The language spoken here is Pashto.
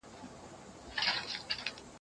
پښتنو ته هم راغلی جادوګر وو